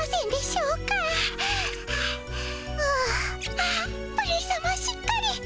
あっプリンさましっかり！